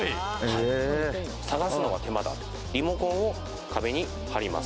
探すのが手間なリモコンを壁に貼ります。